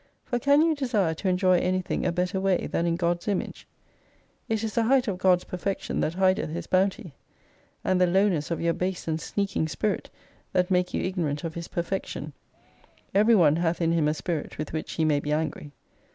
For can you desire to enjoy anything a better way than in God's Image ?// is the Height of God's perfection that hideth His bounty : And the lowness of your base and sneaking Spirit, that make you ignorant of His perfec* tion. (Every one hath in him a Spirit, with which he may be angry.)